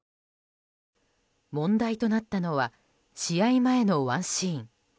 問題となったのは試合前のワンシーン。